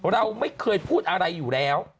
เราไม่เคยพูดอะไรอยู่แล้ว